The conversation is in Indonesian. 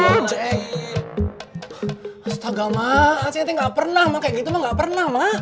astaga ma aku nanti gak pernah ma kayak gitu ma gak pernah ma